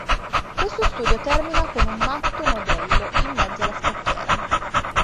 Questo studio termina con un "matto modello" in mezzo alla scacchiera.